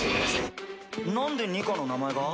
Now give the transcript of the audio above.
なんでニカの名前が？